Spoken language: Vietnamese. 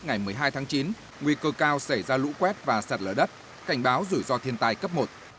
ngày một mươi hai tháng chín nguy cơ cao xảy ra lũ quét và sạt lở đất cảnh báo rủi ro thiên tai cấp một